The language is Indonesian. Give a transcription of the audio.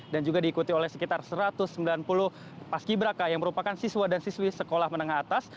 dan juga diikuti oleh sekitar satu ratus sembilan puluh paskibraka yang merupakan siswa dan siswi sekolah menengah atas